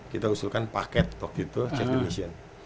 kita usulkan paket waktu itu chef dimension